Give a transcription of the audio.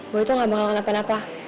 boy tuh gak bakal kenapa napa